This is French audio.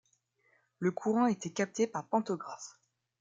Le courant était capté par pantographe.